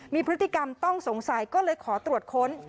มีพฤติกรรมต้องสงสัยก็เลยขอตรวจค้น